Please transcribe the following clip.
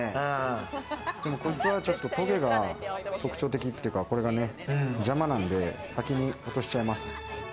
こいつは、ちょっととげが特徴的というか、これが邪魔なんで先に落としちゃいます。